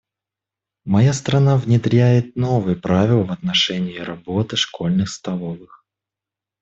Моя страна внедряет новые правила в отношении работы школьных столовых.